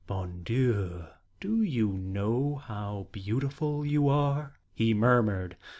"Bon Dieu! Do you know how beautiful you are?" he murmured.